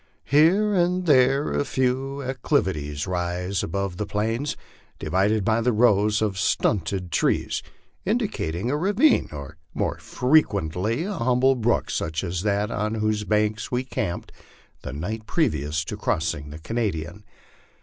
Here and there a few acclivities rise above the plains, divided by rows of stunted trees, indicating a ravine, or more frequently a humble brook such as that on whose banks we camped the night previous to crossing the Canadian.